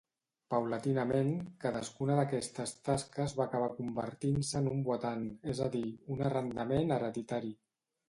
Paulatinament, cadascuna d'aquestes tasques va acabar convertint-se en un watan, és a dir, un arrendament hereditari.